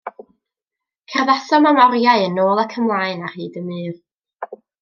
Cerddasom am oriau yn ôl ac ymlaen ar hyd y mur.